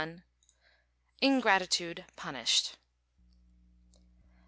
XCI. INGRATITUDE PUNISHED.